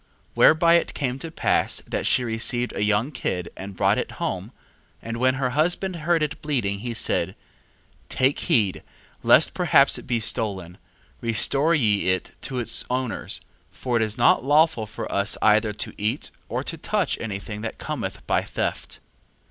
2:20. Whereby it came to pass, that she received a young kid, and brought it home: 2:21. And when her husband heard it bleating, he said: Take heed, lest perhaps it be stolen: restore ye it to its owners, for it is not lawful for us either to eat or to touch any thing that cometh by theft.